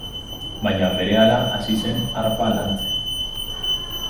Baina berehala hasi zen harpa lantzen.